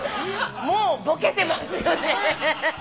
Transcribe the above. もうぼけてますよね。